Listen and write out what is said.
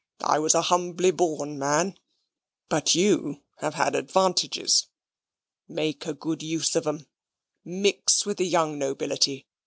I was a humbly born man but you have had advantages. Make a good use of 'em. Mix with the young nobility.